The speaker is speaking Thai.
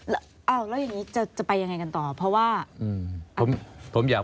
แล้วอย่างนี้จะไปยังไงกันต่อเพราะว่า